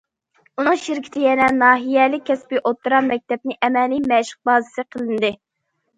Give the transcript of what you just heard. ئۇنىڭ شىركىتى يەنە ناھىيەلىك كەسپىي ئوتتۇرا مەكتەپنىڭ ئەمەلىي مەشىق بازىسى قىلىندى.